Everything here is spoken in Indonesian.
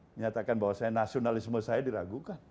menyatakan bahwa saya nasionalisme saya diragukan